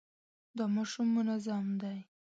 دا ماشوم منظم دی.